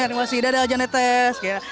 terima kasih dadah jan etes